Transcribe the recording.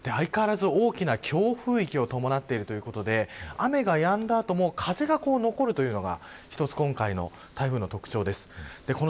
相変わらず大きな強風域を伴っているということで雨がやんだ後も風が残るというのがひとつ、今回の台風の特徴です。